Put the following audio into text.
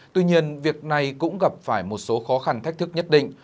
tuy nhiên việc này cũng gặp phải một số khó khăn thách thức nhất định